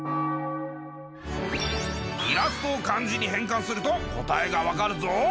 イラストを漢字に変換すると答えが分かる！